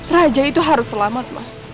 raja itu harus selamat